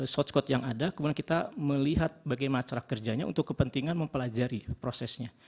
short scott yang ada kemudian kita melihat bagaimana cara kerjanya untuk kepentingan mempelajari prosesnya